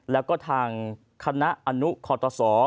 แล้วก็ทางคณะอนุคอตส